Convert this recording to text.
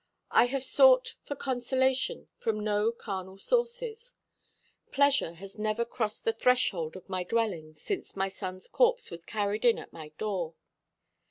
I have sought for consolation from no carnal sources. Pleasure has never crossed the threshold of my dwelling since my son's corpse was carried in at my door.